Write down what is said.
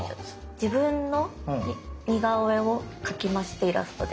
自分の似顔絵を描きましてイラストで。